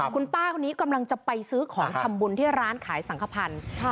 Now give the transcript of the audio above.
คุณป้าคนนี้กำลังจะไปซื้อของทำบุญที่ร้านขายสังขพันธ์